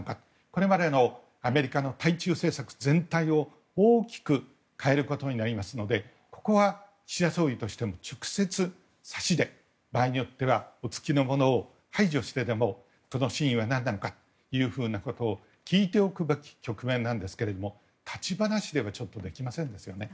これまでのアメリカの対中政策全体を大きく変えることになりますのでここは岸田総理としても直接、さしで場合によってはおつきのものを排除してでもこの真意は何なのかと聞いておくべき局面ですが立ち話ではちょっとできませんですよね。